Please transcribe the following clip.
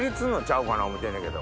思うてんねんけど。